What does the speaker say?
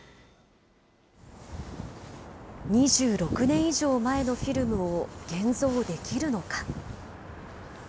２６年以上前のフィルムを現像できるのか。